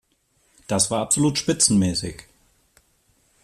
Das war absolut spitzenmäßig!